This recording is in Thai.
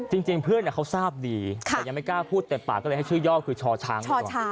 จริงเพื่อนเขาทราบดีแต่ยังไม่กล้าพูดเต็มปากก็เลยให้ชื่อย่อคือชอช้างมาก่อน